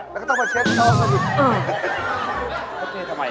พระเทพทำไมอ่ะ